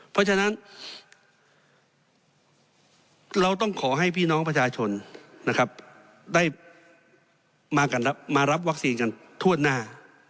เพราะฉะนั้นเราต้องขอให้พี่น้องประชาชนนะครับได้มารับวัคซีนกันทั่วหน้า